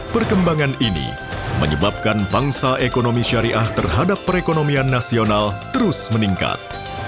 perkembangan ini menyebabkan bangsa ekonomi syariah terhadap perekonomian nasional terus meningkat